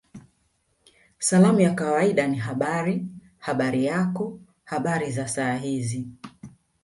Salamu ya kawaida ni Habari Habari yako Habari za saa hizi